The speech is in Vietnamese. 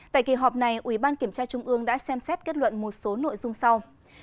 tại kỳ họp này ủy ban kiểm tra trung ương đã xem xét kết luận một số nội dung sau